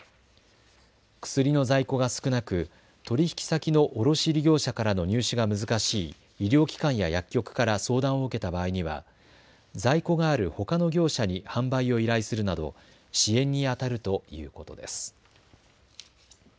薬の在庫が少なく取引先の卸売業者からの入手が難しい医療機関や薬局から相談を受けた場合には在庫があるほかの業者に販売を依頼するなど支援にあたるということです。